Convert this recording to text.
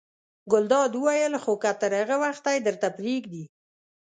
ګلداد وویل: خو که تر هغه وخته یې درته پرېږدي.